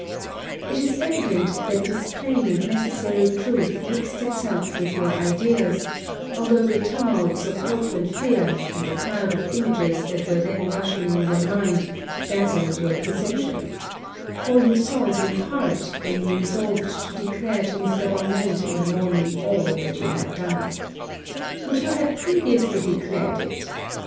It is evident that this plain and necessary truth mixed itself with your ideas, although the tumults of hope and fear, and the crowd of images that were then rushing on your mind, dazzled your perception; for you saw it in part, when you resolved to declare to Mr. Valmont in the morning all that you had done. Would you had previously declared it!